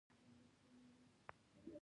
ستا نوم څه دی وي لیکی